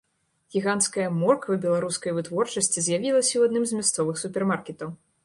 Гіганцкая морква беларускай вытворчасці з'явілася ў адным з мясцовых супермаркетаў.